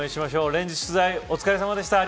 連日取材、お疲れさまでした。